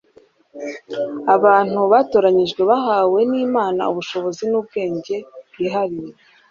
abantu batoranyijwe bahawe n'imana ubushobozi n'ubwenge bwihariye